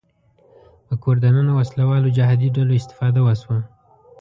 په کور دننه وسله والو جهادي ډلو استفاده وشوه